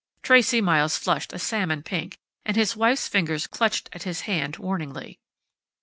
Tracey Miles flushed a salmon pink, and his wife's fingers clutched at his hand warningly.